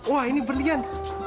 wah ini berlian